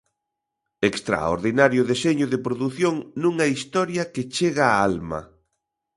Extraordinario deseño de produción nunha historia que chega á alma.